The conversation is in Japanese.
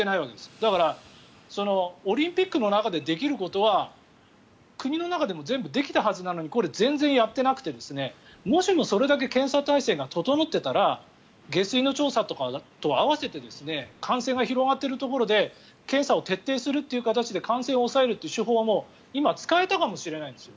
だからオリンピックの中でできることは国の中でも全然できたはずなのにやっていなくてもしもそれだけ検査体制が整ってたら下水の調査とかと合わせて感染が広がっているところで検査を徹底する形で感染を抑えるという手法は今、使えたかもしれないんです。